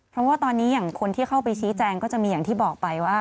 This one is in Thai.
เพราะว่าตอนนี้อย่างคนที่เข้าไปชี้แจงก็จะมีอย่างที่บอกไปว่า